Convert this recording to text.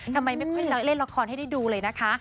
ทำไมไม่ค่อยเล่นละครให้ได้ดูเลยนะคะ